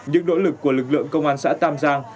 những nỗ lực của lực lượng công an xã tam giang